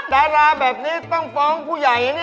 ดาราแบบนี้ต้องฟ้องผู้ใหญ่นะเนี่ย